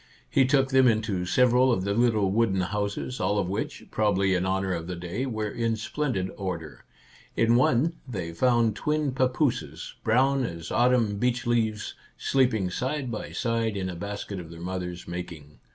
He took them into several of the little wooden houses, all of which, probably in honour of the day, were in splendid order. In one they found twin papooses, brown as autumn beech leaves, sleeping side by side in a basket of their mother's making.